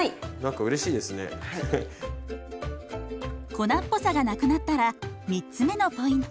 粉っぽさがなくなったら３つ目のポイント。